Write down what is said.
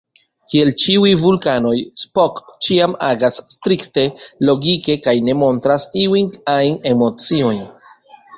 Kiel ĉiuj vulkanoj, Spock ĉiam agas strikte logike kaj ne montras iujn ajn emociojn.